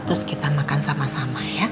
terus kita makan sama sama ya